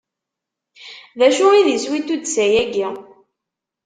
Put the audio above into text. D acu i d iswi n tuddsa-agi?